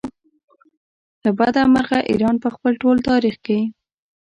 له بده مرغه ایران په خپل ټول تاریخ کې.